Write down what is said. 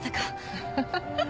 アハハハ